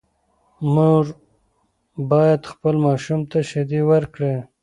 مور باید خپل ماشوم ته شیدې ورکړي.